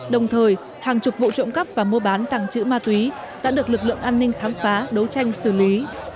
đồng thời hàng chục vụ trộm cắp và mua bán tàng trữ ma túy đã được lực lượng an ninh khám phá đấu tranh xử lý